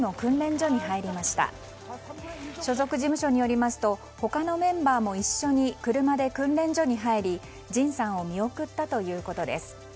所属事務所によりますと他のメンバーも一緒に車で訓練所に入りＪＩＮさんを見送ったということです。